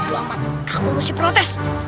dua dua aku mesti protes